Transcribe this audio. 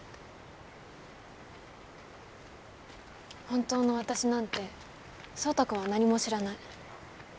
本当の私なんて壮太君は何も知らない。